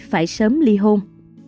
phải sớm ly hôn